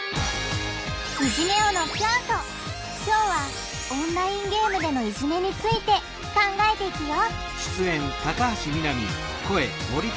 今日はオンラインゲームでのいじめについて考えていくよ！